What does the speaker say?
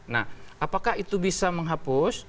nah apakah itu bisa menghapus